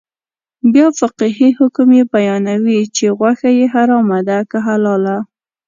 بیا فقهي حکم یې بیانوي چې غوښه یې حرامه ده که حلاله.